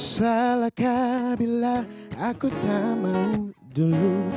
salahkah bila aku tak mau dulu